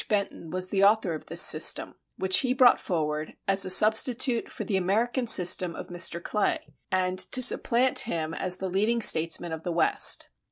Benton was the author of this system, which he brought forward as a substitute for the American system of Mr. Clay, and to supplant him as the leading statesman of the West.